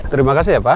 terima kasih ya pa